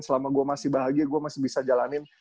selama gue masih bahagia gue masih bisa jalanin